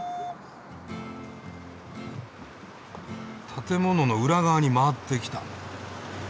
建物の裏側に回ってきた。